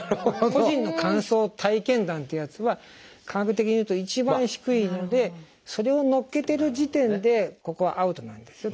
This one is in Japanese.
個人の感想体験談ってやつは科学的に言うと一番低いのでそれを載っけてる時点でここはアウトなんですよと。